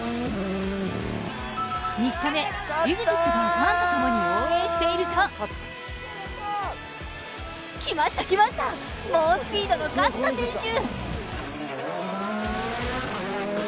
３日目、ＥＸＩＴがファンとともに応援していると来ました、来ました猛スピードの勝田選手！